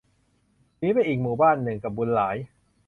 หนีไปอีกหมู่บ้านหนึ่งกับบุญหลาย